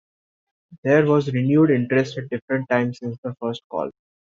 There was renewed interest at different times since the first call.